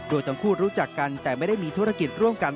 โดยทั้งคู่รู้จักกันแต่ไม่ได้มีธุรกิจร่วมกัน